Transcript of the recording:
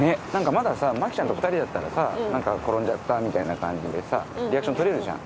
まだマキちゃんと２人だったらさ何か「転んじゃった」みたいな感じでさリアクション取れるじゃん。